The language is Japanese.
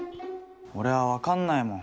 俺は分かんないもん